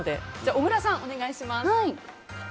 小倉さん、お願いします。